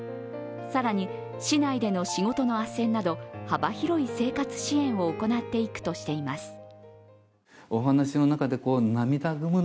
更に市内での仕事のあっせんなど幅広い生活支援を行っていくとしています。